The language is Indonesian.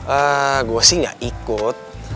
eh gue sih gak ikut